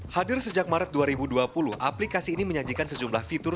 hadir sejak maret dua ribu dua puluh aplikasi ini menyajikan sejumlah fitur